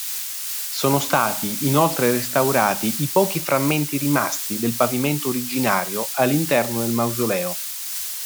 Sono stati inoltre restaurati i pochi frammenti rimasti del pavimento originario all'interno del mausoleo.